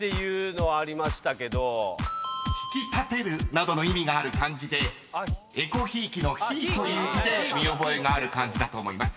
［「引き立てる」などの意味がある漢字で依怙贔屓の「贔」という字で見覚えがある漢字だと思います］